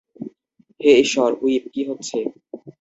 হে ঈশ্বর, হুইপ, কী হচ্ছে?